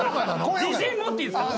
自信持っていいです。